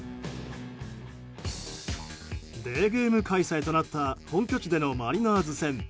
デーゲーム開催となった本拠地でのマリナーズ戦。